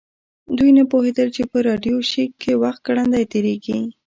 دوی نه پوهیدل چې په راډیو شیک کې وخت ګړندی تیریږي